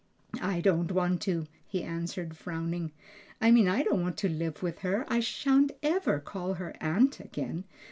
"I don't want to," he answered, frowning. "I mean I don't want to live with her; I sha'n't ever call her aunt again.